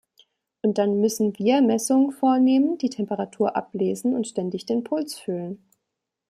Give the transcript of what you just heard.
Und dann müssen wir Messungen vornehmen, die Temperatur ablesen und ständig den Puls fühlen.